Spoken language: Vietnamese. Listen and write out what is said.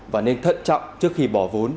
và nên thận trọng trước khi bỏ vốn